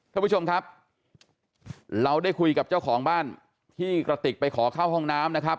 ท่านผู้ชมครับเราได้คุยกับเจ้าของบ้านที่กระติกไปขอเข้าห้องน้ำนะครับ